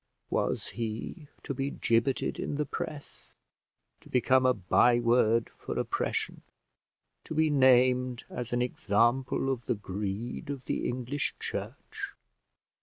Was he to be gibbeted in the press, to become a byword for oppression, to be named as an example of the greed of the English church?